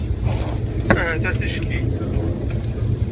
Ahat ar ticki.